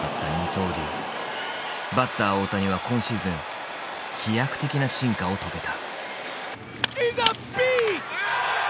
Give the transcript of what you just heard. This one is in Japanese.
バッター大谷は今シーズン飛躍的な進化を遂げた。